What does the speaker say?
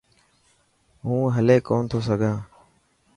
هون هلي ڪون ٿو سگھان.